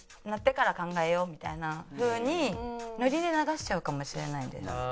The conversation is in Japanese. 「なってから考えよう」みたいなふうにノリで流しちゃうかもしれないです。